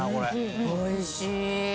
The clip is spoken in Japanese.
おいしい！